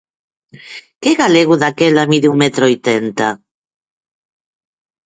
Que galego daquela mide un metro oitenta?